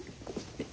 えっ？